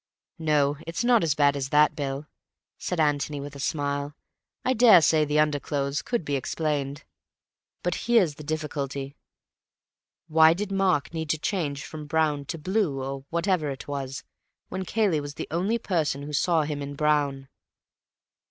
"No, it's not as bad as that, Bill," said Antony with a smile. "I daresay the underclothes could be explained. But here's the difficulty. Why did Mark need to change from brown to blue, or whatever it was, when Cayley was the only person who saw him in brown?"